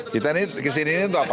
kita ini kesini ini untuk apa